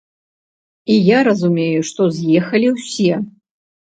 І я разумею, што з'ехалі ўсе.